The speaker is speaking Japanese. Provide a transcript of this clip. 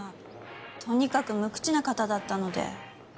とにかく無口な方だったので。